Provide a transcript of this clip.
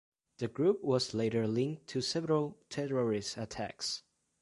The group was later linked to several terrorist attacks.